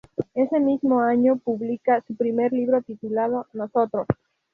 Ese mismo año publica su primer libro, titulado "Nosotros".